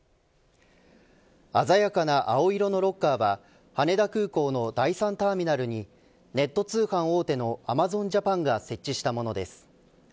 鮮やかな青色のロッカーは羽田空港の第３ターミナルにネット通販大手のアマゾンジャパンが設置したものです。